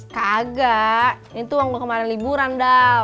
kagaa ini tuh uang lo kemaren liburan dal